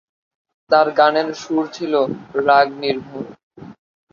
তার গানের সুর ছিল রাগনির্ভর।